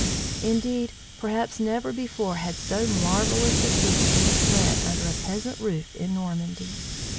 Indeed, perhaps never before had so marvellous a feast been spread under a peasant roof in Normandy!